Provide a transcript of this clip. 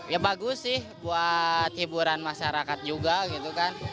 ya bagus sih buat hiburan masyarakat juga gitu kan